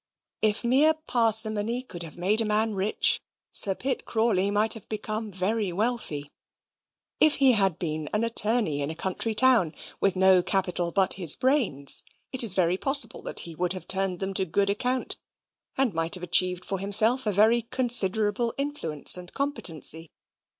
If mere parsimony could have made a man rich, Sir Pitt Crawley might have become very wealthy if he had been an attorney in a country town, with no capital but his brains, it is very possible that he would have turned them to good account, and might have achieved for himself a very considerable influence and competency.